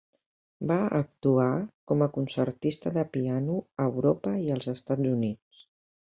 Va actuar com a concertista de piano a Europa i els Estats Units.